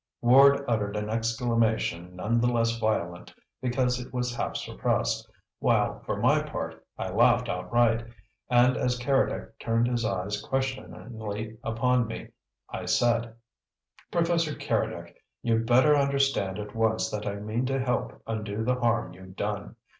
Ward uttered an exclamation none the less violent because it was half suppressed, while, for my part, I laughed outright; and as Keredec turned his eyes questioningly upon me, I said: "Professor Keredec, you'd better understand at once that I mean to help undo the harm you've done.